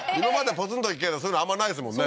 ポツンと一軒家でそういうのあんまないですもんね